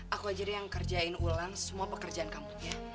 aku ajari yang ngekerjain ulang semua pekerjaan kamu ya